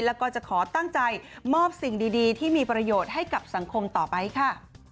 แล้วก็จะขอตั้งใจมอบสิ่งดีที่มีประโยชน์ให้กับสังคมต่อไปค่ะ